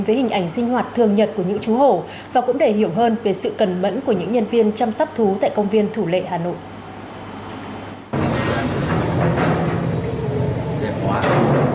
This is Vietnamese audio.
với hình ảnh sinh hoạt thường nhật của những chú hổ và cũng để hiểu hơn về sự cần mẫn của những nhân viên chăm sóc thú tại công viên thủ lệ hà nội